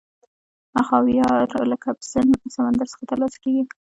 خاویار له کسپین سمندر څخه ترلاسه کیږي.